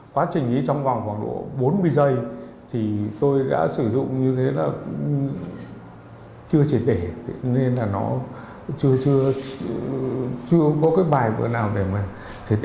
quá trình trong vòng khoảng độ bốn mươi giây thì tôi đã sử dụng như thế là chưa chỉ để nên là nó chưa có cái bài vừa nào để mình